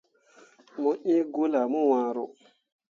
Mo iŋ gwulle ah mo waro.